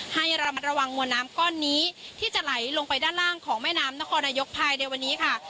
ให้ระมัดระวังมวลน้ำก้อนนี้ที่จะไหลลงไปด้านล่างของแม่น้ำนครนายกภายในวันนี้ค่ะ